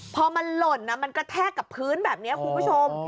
พอมันหล่นมันกระแทกกับพื้นแบบนี้คุณผู้ชม